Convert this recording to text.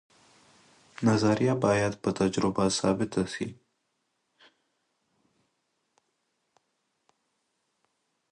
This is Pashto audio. نظریه باید په تجربه ثابته سي.